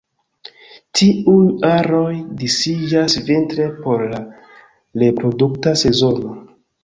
Tiuj aroj disiĝas vintre por la reprodukta sezono.